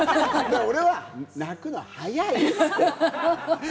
俺は泣くの早いつって。